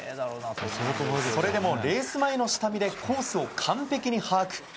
それでもレース前の下見でコースを完璧に把握。